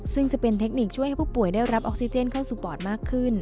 ซึ่งจะเป็นเทคนิคช่วยให้ผู้ป่วยได้รับออกซิเจนเข้าสู่ปอดมากขึ้น